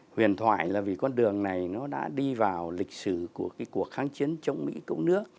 huyền thoại là vì con đường này nó đã đi vào lịch sử của cái cuộc kháng chiến chống mỹ cứu nước